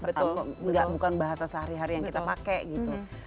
bukan bahasa sehari hari yang kita pakai gitu